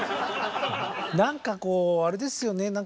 何かこうあれですよね